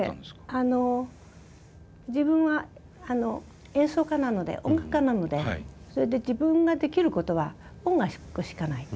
あの「自分は演奏家なので音楽家なので自分ができることは音楽しかない。